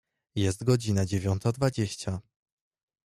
Jest godzina dziewiąta dwadzieścia.